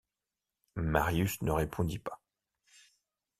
Marius ne répondit pas.